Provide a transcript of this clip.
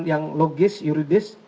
yang logis yuridis